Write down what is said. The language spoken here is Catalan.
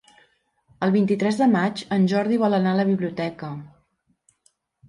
El vint-i-tres de maig en Jordi vol anar a la biblioteca.